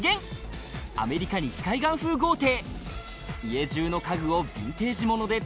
アメリカ西海岸風豪邸